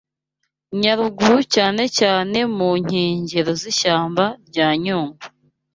Nyaruguru cyane cyane mu nkengero z’ishyamba rya Nyungwe